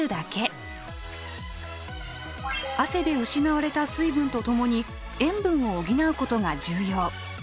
汗で失われた水分と共に塩分を補うことが重要。